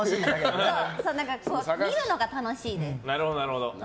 見るのが楽しいです。